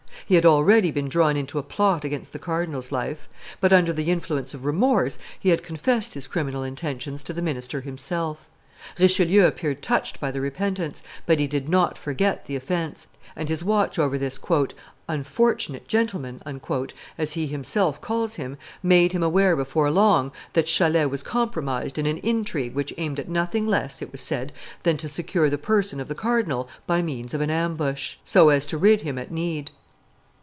He had already been drawn into a plot against the cardinal's life; but, under the influence of remorse, he had confessed his criminal intentions to the minister himself. Richelieu appeared touched by the repentance, but he did not forget the offence, and his watch over this "unfortunate gentleman," as he himself calls him, made him aware before long that Chalais was compromised in an intrigue which aimed at nothing less, it was said, than to secure the person of the cardinal by means an ambush, so as to rid him at need.